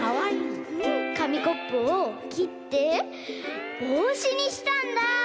かみコップをきってぼうしにしたんだ！